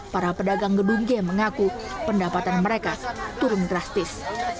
para pedagang gedung g mengaku pendapatan mereka turun drastis